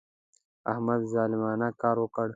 احمد ظالمانه کار وکړ.